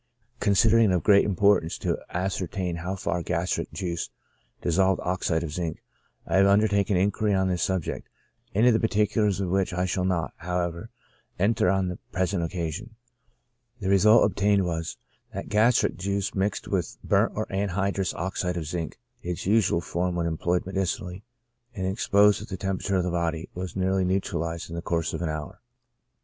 Considering it of great importance to ascertain how far gastric juice dissolved oxide of zinc, I have under taken an inquiry on this subject, into the particulars of which I shall not, however, enter on the present occasion ; the result obtained was, that gastric juice mixed with burnt or anhydrous oxide of zinc, (its usual form when employed medicinallv,) and exposed to the temperature of the body, was nearly neutralized in the course of an hour.